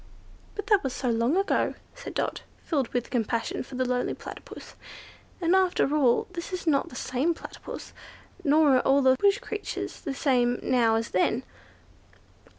"But that was so long ago," said Dot, filled with compassion for the lonely Platypus; "and, after all, this is not the same Platypus, nor are all the bush creatures the same now as then."